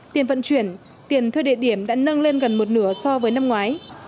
tiền vận chuyển tiền thuê địa điểm đã nâng lên gần một nửa so với năm ngoái